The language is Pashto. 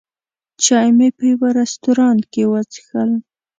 چای مې په یوه رستورانت کې وڅښل.